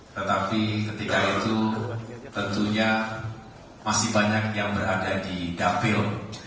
tetapi ketika itu tentunya masih banyak yang berada di dapil